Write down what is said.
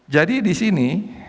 jadi di sini